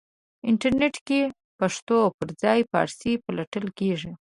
انټرنېټ کې پښتو پرځای فارسی پلټل کېږي.